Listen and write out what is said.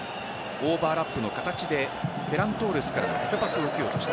オーバーラップの形でフェラントーレスからの縦パスを受けようとした。